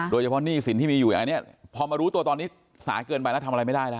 โดยเฉพาะหนี้สินที่มีอยู่พอมารู้ตัวตอนนี้สายเกินไปแล้วทำอะไรไม่ได้ล่ะ